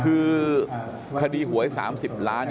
คือคดีหวย๓๐ล้าน